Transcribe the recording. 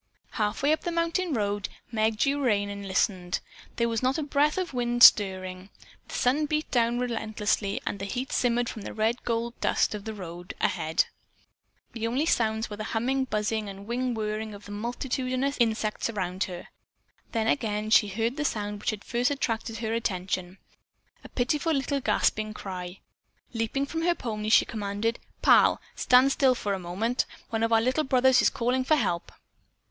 Half way up the mountain road Meg drew rein and listened. There was not a breath of wind stirring. The sun beat down relentlessly and heat shimmered from the red gold dust of the road ahead. The only sounds were the humming, buzzing and wing whirring of the multitudinous insects all about her. Then again she heard the sound which had first attracted her attention. A pitiful little gasping cry. Leaping from her pony, she commanded: "Pal, stand still for a moment. One of our little brothers is calling for help."